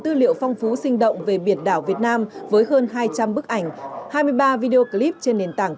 tư liệu phong phú sinh động về biển đảo việt nam với hơn hai trăm linh bức ảnh hai mươi ba video clip trên nền tảng